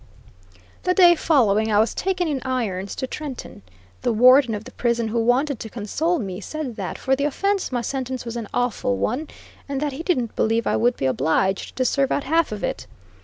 The day following, I was taken in irons to Trenton. The Warden of the prison, who wanted to console me, said that, for the offence, my sentence was an awful one, and that he didn't believe I would be obliged to serve out half of it.